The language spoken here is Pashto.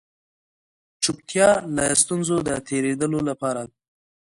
چوپتيا له ستونزو د تېرېدلو لپاره